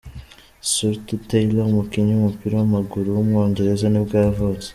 Stuart Taylor, umukinnyi w’umupira w’amaguru w’umwongereza nibwo yavutse.